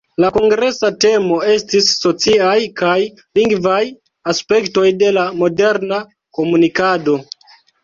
La kongresa temo estis "Sociaj kaj lingvaj aspektoj de la moderna komunikado".